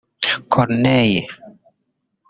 Corneille